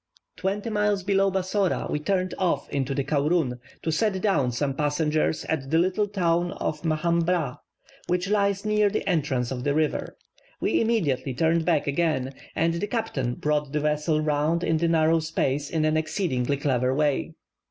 Twenty miles below Bassora we turned off into the Kaurun to set down some passengers at the little town of Mahambrah, which lies near the entrance of that river. We immediately turned back again, and the captain brought the vessel round in the narrow space in an exceedingly clever way.